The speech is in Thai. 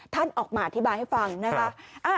ท่านออกมาอธิบายให้ฟังนะคะ